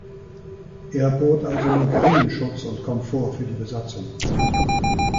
Er bot also nur geringen Schutz und Komfort für die Besatzung.